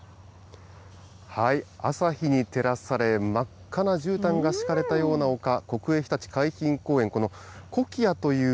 朝日に照らされ、真っ赤なじゅうたんが敷かれたような丘、国営ひたち海浜公園。